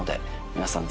皆さん